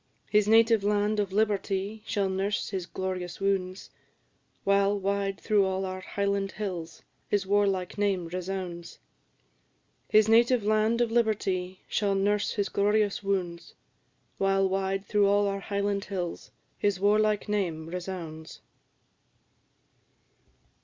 His native land of liberty shall nurse his glorious wounds, While, wide through all our Highland hills, his warlike name resounds; His native land of liberty shall nurse his glorious wounds, While, wide through all our Highland hills, his warlike name resounds."